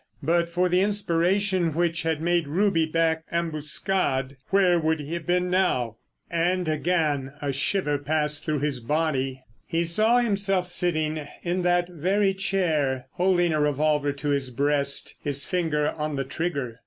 But for the inspiration which had made Ruby back Ambuscade where would he have been now? And again a shiver passed through his body. He saw himself sitting in that very chair holding a revolver to his breast, his finger on the trigger.